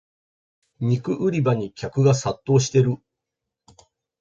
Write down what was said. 肉売り場に客が殺到してる